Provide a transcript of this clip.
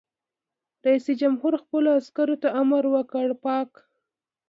رئیس جمهور خپلو عسکرو ته امر وکړ؛ پاک!